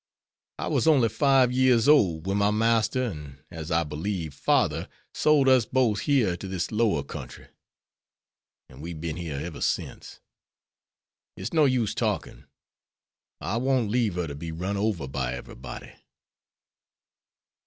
I was only five years old when my master and, as I believe, father, sold us both here to this lower country, an' we've been here ever since. It's no use talking, I won't leave her to be run over by everybody."